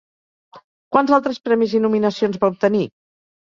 Quants altres premis i nominacions va obtenir?